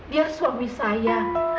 dia suami saya